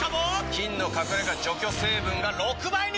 菌の隠れ家除去成分が６倍に！